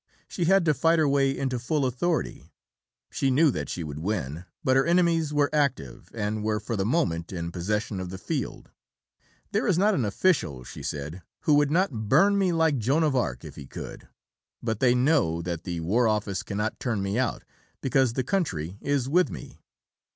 She had to fight her way into full authority. She knew that she would win, but her enemies were active, and were for the moment in possession of the field. "There is not an official," she said, "who would not burn me like Joan of Arc if he could, but they know that the War Office cannot turn me out because the country is with me."